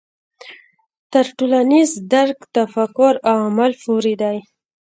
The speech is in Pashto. تر ټولنیز درک تفکر او عمل پورې دی.